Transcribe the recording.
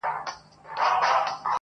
انسانانو اوس له ما دي لاس پرېولي،